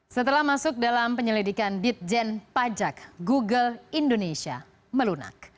setelah masuk dalam penyelidikan ditjen pajak google indonesia melunak